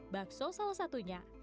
bakso salah satunya